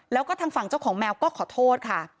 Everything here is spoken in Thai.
แล้วก็ทางฝั่งเจ้าของแมวก็ขอโทษค่ะ